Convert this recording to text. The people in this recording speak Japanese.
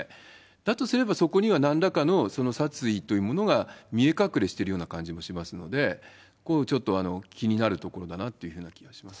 だとすれば、そこにはなんらかのその殺意というものが見え隠れしてるような感じもしますので、ここちょっと気になるところだなという気がします。